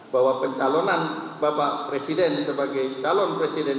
bahwa pencalonan bapak presiden sebagai calon presiden